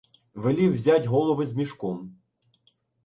Велів взять голови з мішком.